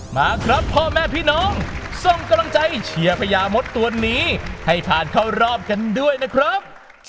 มาครับพ่อแม่พี่น้องส่งกำลังใจเชียร์พญามดตัวนี้ให้ผ่านเข้ารอบกันด้วยนะครับ